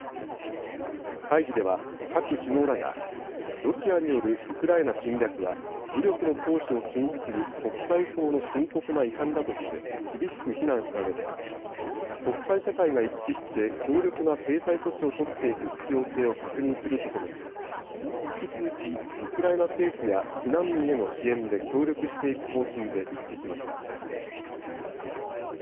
会議では、各首脳らが、ロシアによるウクライナ侵略は、武力の行使を禁止する国際法の深刻な違反だとして、厳しく非難したうえで、国際社会が一致して、強力な制裁措置を取っていく必要性を確認するとともに、引き続きウクライナ政府や避難民への支援で協力していく方針で一致しまし